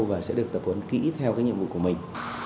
và sẽ được tập huấn kỹ theo cái nhiệm vụ của mình